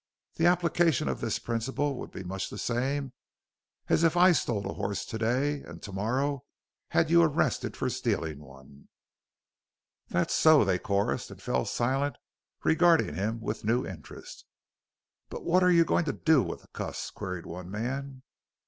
The application of this principle would be much the same as if I stole a horse to day and to morrow had you arrested for stealing one." "That's so," they chorused, and fell silent, regarding him with a new interest. "But what are you goin' to do with the cuss?" queried one man.